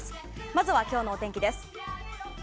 まずは今日のお天気です。